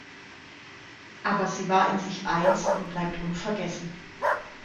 Aber sie war in sich eins und bleibt unvergessen.